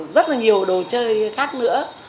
rất là nhiều đồ chơi khác nữa